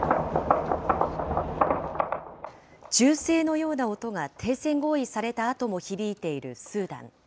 銃声のような音が停戦合意されたあとも響いているスーダン。